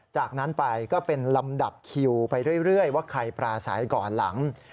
จากนั้นไปก็เป็นลำดับคิวไปเรื่อยว่าใครปราศัยก่อนหลัง